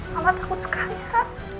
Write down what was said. mama takut sekali sa